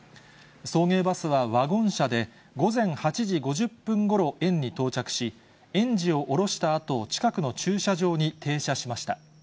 送迎バスはワゴン車で、午前８時５０分ごろ園に到着し、園児を降ろしたあと、近くの駐車場に停車しました。